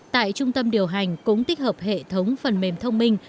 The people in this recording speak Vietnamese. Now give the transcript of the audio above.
tại trung tâm điều hành cũng tích hợp hệ thống phần mềm thông minh